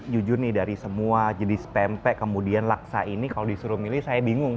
jujur nih dari semua jenis pempek kemudian laksa ini kalau disuruh milih saya bingung